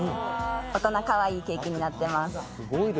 大人かわいいケーキになっています。